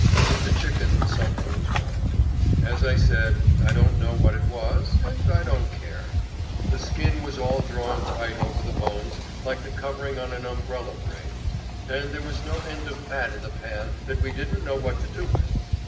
With the chicken something was wrong. As I said, I don't know what it was, and I don't care. The skin was all drawn tight over the bones like the covering on an umbrella frame, and there was no end of fat in the pan that we didn't know what to do with.